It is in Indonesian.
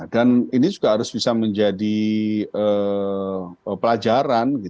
dan ini juga harus bisa menjadi pelajaran